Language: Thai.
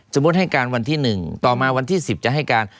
ให้การวันที่๑ต่อมาวันที่๑๐จะให้การ